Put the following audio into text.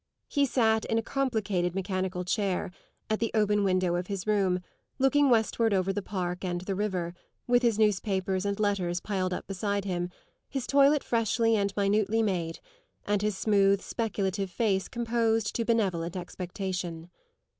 He sat in a complicated mechanical chair, at the open window of his room, looking westward over the park and the river, with his newspapers and letters piled up beside him, his toilet freshly and minutely made, and his smooth, speculative face composed to benevolent expectation.